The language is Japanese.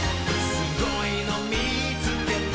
「すごいのみつけた」